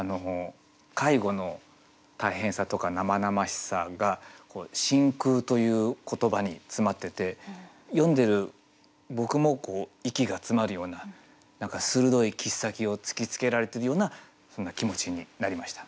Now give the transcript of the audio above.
介護の大変さとか生々しさが「真空」という言葉に詰まってて読んでる僕も息が詰まるような何か鋭い切っ先を突きつけられてるようなそんな気持ちになりました。